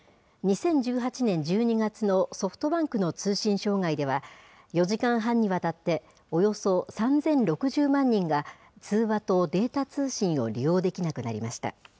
２０１８年１２月のソフトバンクの通信障害では、４時間半にわたって、およそ３０６０万人が通話やデータ通信を利用できなくなりました。